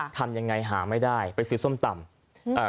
ทำยังไงหาไม่ได้ไปซื้อส้มตำอืม